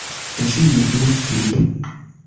Vidu pli.